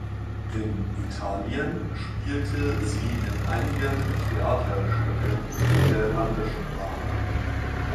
In Italien spielte sie in einigen Theaterstücken in der Landessprache.